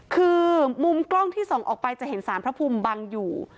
คือมุมกล้องที่ส่องออกไปจะเห็นสารพระภูมิบังอยู่